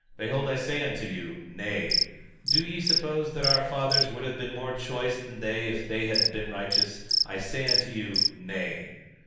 Behold, I say unto you, Nay. 17:34 Do ye suppose that our fathers would have been more choice than they if they had been righteous? I say unto you, Nay.